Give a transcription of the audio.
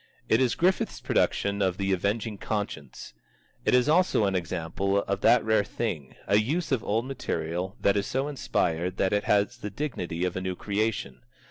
It is Griffith's production of The Avenging Conscience. It is also an example of that rare thing, a use of old material that is so inspired that it has the dignity of a new creation.